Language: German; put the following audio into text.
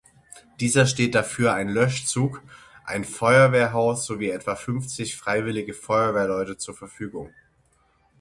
Dieser steht dafür ein Löschzug, ein Feuerwehrhaus sowie etwa fünfzig Freiwillige Feuerwehrleute zur Verfügung.